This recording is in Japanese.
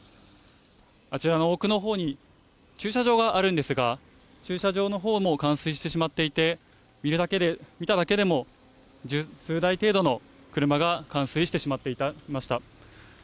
あちらの奥のほうに駐車場があるんですが、駐車場のほうも冠水してしまっていて、見ただけでも数台程度の車が冠水してしまっていました。